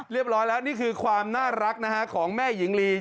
เรียบร้อยแล้วนี่คือความน่ารักของแม่หญิงลี